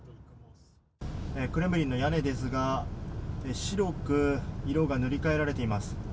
クレムリンの屋根ですが白く色が塗り替えられています。